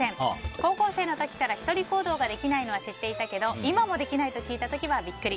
高校生の時から１人行動ができないのは知っていたけど今もできないと聞いた時はビックリ。